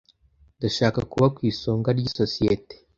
Ndashaka kuba ku isonga ryisosiyete